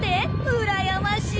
うらやましい！